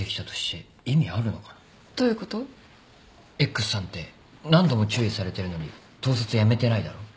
Ｘさんって何度も注意されてるのに盗撮やめてないだろ？